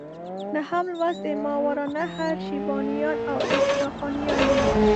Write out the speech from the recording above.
نهم لوست د ماوراء النهر شیبانیان او استرخانیان دي.